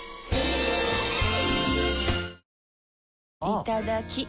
いただきっ！